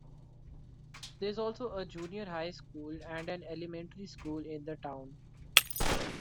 There is also a Junior High School and an Elementary School in the town.